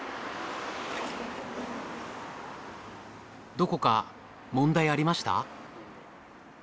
どこか問題ありました？